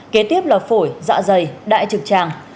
kế tiếp là phổi dạ dày đại trực tràng